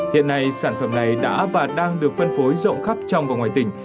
hiện nay sản phẩm này đã và đang được phân phối rộng khắp trong và ngoài tỉnh